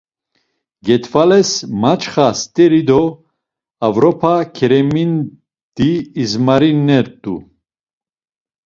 Getvales mançxa steri do Avropa ǩeremidi izmarinet̆u.